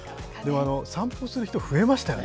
散歩する人、増えましたよね。